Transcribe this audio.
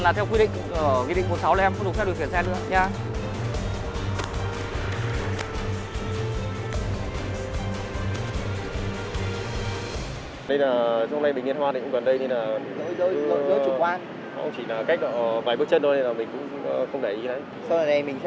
là theo quy định một mươi sáu là em không được phép đuổi chuyển xe nữa